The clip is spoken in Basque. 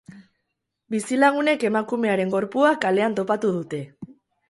Bizilagunek emakumearen gorpua kalean topatu dute.